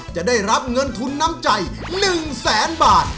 จะได้รับเงินทุนน้ำใจ๑แสนบาท